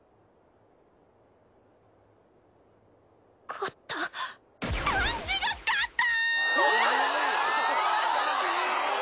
勝ったダンジが勝った！